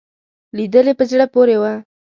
لیدلې په زړه پورې وو.